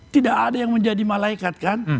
tidak ada yang menjadi malaikat kan